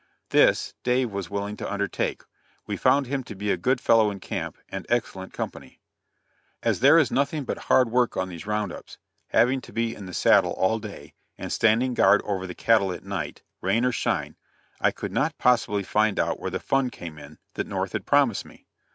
This, Dave was willing to undertake. We found him to be a good fellow in camp, and excellent company. As there is nothing but hard work on these round ups, having to be in the saddle all day, and standing guard over the cattle at night, rain or shine, I could not possibly find out where the fun came in, that North had promised me.